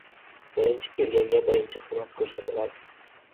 • Birinchi kelganga birinchi xizmat ko‘rsatiladi.